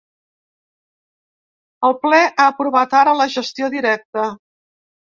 El ple ha aprovat ara la gestió directa.